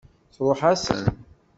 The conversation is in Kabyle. Tṛuḥ-asen.